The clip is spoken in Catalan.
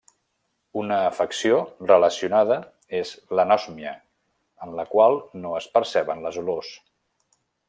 Una afecció relacionada és l'anòsmia, en la qual no es perceben les olors.